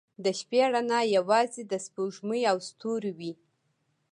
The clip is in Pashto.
• د شپې رڼا یوازې د سپوږمۍ او ستورو وي.